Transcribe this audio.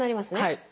はい。